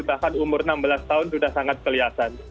bahkan umur enam belas tahun sudah sangat kelihatan